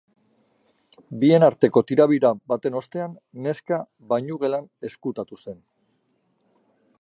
Bien arteko tirabira baten ostean, neska bainugelan ezkutatu zen.